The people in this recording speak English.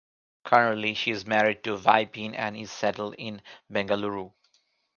Currently she is married to Vipin and is settled in Bengaluru.